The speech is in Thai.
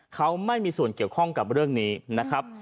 เขาไม่มีส่วนเกี่ยวข้องกับเรื่องนี้นะครับ